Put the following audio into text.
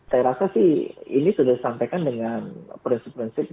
saya rasa sih ini sudah disampaikan dengan prinsip prinsip